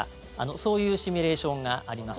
そういうシミュレーションがあります。